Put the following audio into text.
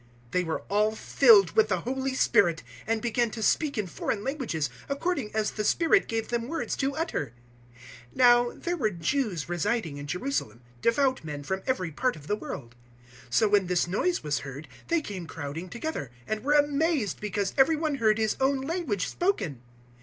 002:004 They were all filled with the Holy Spirit, and began to speak in foreign languages according as the Spirit gave them words to utter. 002:005 Now there were Jews residing in Jerusalem, devout men from every part of the world. 002:006 So when this noise was heard, they came crowding together, and were amazed because everyone heard his own language spoken.